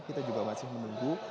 kita juga masih menunggu